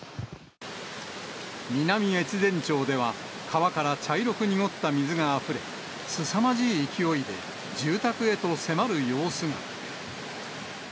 南越前町では、川から茶色く濁った水があふれ、すさまじい勢いで住宅へと迫る様子が。